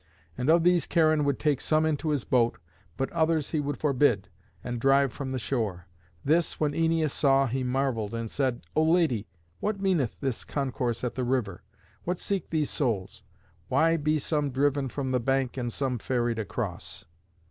And of these Charon would take some into his boat; but others he would forbid, and drive from the shore. This when Æneas saw, he marvelled, and said, "O Lady, what meaneth this concourse at the river? What seek these souls? Why be some driven from the bank and some ferried across?"